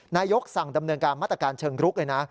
นายกสั่งดำเนินการมาตรการเชิงรุกเลยนะ